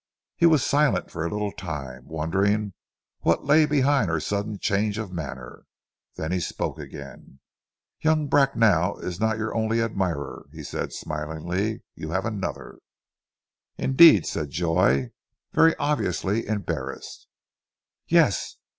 He was silent for a little time, wondering what lay behind her sudden change of manner. Then he spoke again. "Young Bracknell is not your only admirer," he said smilingly. "You have another." "Indeed," said Joy, very obviously embarrassed. "Yes!